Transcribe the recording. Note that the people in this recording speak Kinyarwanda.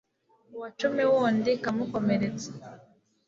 Uwa cumi wundi ikamukomeretsa